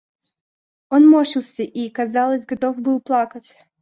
Он морщился и, казалось, готов был плакать.